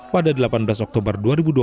pada delapan belas oktober dua ribu dua puluh